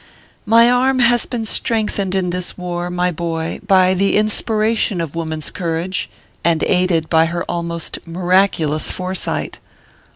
My arm has been strengthened in this war, my boy, by the inspiration of woman s courage, and aided by her almost miraculous foresight.